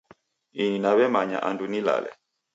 Ini naw'emanya andu nilale